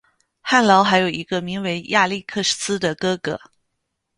翰劳还有一个名为亚历克斯的哥哥。